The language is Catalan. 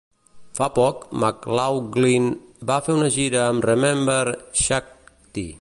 Fa poc, McLaughlin va fer una gira amb Remember Shakti.